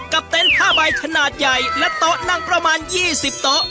กับเต้นผ้าใบขนาดใหญ่และเตาะนั่งประมาณ๒๐เตาะ